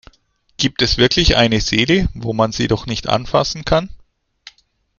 Gibt es wirklich eine Seele, wo man sie doch nicht anfassen kann?